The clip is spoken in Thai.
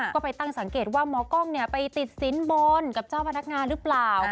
ก็ไปตั้งสังเกตว่าหมอกล้องไปติดสินบนกับเจ้าพนักงานหรือเปล่า